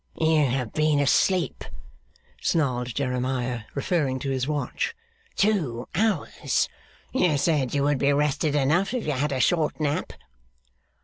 'You have been asleep,' snarled Jeremiah, referring to his watch, 'two hours. You said you would be rested enough if you had a short nap.